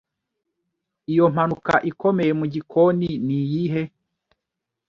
Iyo mpanuka ikomeye mu gikoni niyihe?